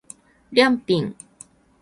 りゃんぴん